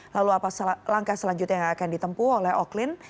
lalu apa langkah selanjutnya yang akan ditempuh oleh oklin